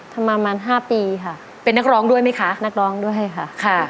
ทำมาประมาณ๕ปีค่ะเป็นนักร้องด้วยไหมคะนักร้องด้วยค่ะค่ะ